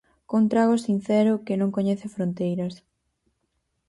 Cun trago sincero que non coñece fronteiras.